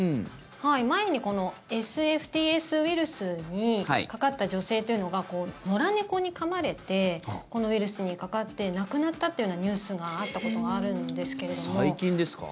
前にＳＦＴＳウイルスにかかった女性というのが野良猫にかまれてこのウイルスにかかって亡くなったというようなニュースがあったことが最近ですか？